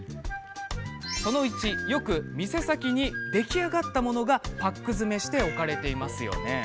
よく店先に出来上がったものがパック詰めして置かれていますよね。